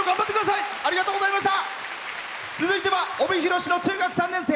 続いては帯広市の中学３年生。